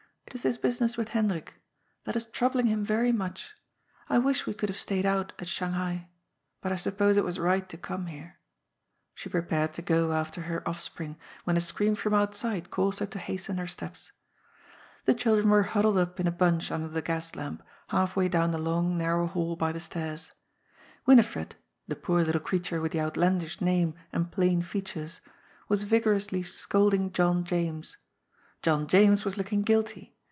" It is this business with Hendrik. That is troubling him very much. I wish we could have stayed out at Shanghai. But I sup pose it was right to come here." She prepared to go after her offspring, when a scream from outside caused her to hasten her steps. The children were huddled up in a bunch under the gas lamp, half way down the long, narrow hall by the stairs. Winifred — ^the poor little creature with the outlandish name and plain features — ^was vigorously scolding John James. John James was looking guilty.